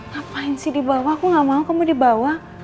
ngapain sih di bawah aku nggak mau kamu di bawah